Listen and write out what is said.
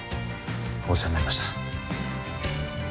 お世話になりました。